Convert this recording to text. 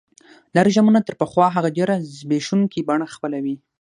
دا رژیمونه تر پخوا هغه ډېره زبېښونکي بڼه خپلوي.